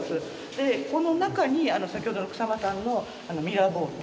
でこの中に先ほどの草間さんのミラーボールを。